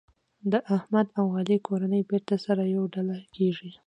د احمد او علي کورنۍ بېرته سره یوه ډله کېږي.